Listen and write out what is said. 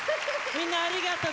みんなありがとう。